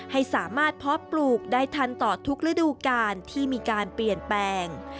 ให้สามารถเพาะปลูกได้ทันต่อทุกฤดูกาลที่มีการเปลี่ยนแปลง